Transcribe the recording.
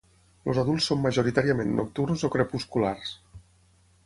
Els adults són majoritàriament nocturns o crepusculars.